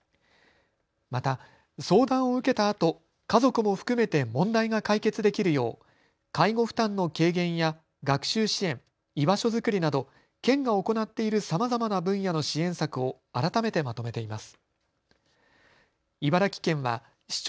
また相談を受けたあと家族も含めて問題が解決できるよう介護負担の軽減や学習支援、居場所づくりなど県が行っているさまざまな分野の支援策を改めてまとめています。